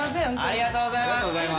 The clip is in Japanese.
ありがとうございます！